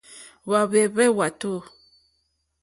Hwáhwɛ̂hwɛ́ hwàtò.